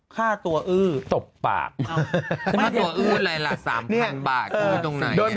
ค่าตัวอึ้อตบปะค่าตัวอึ้อยอะไรล่ะสามตาลบาท